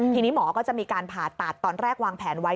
ทีนี้หมอก็จะมีการผ่าตัดตอนแรกวางแผนไว้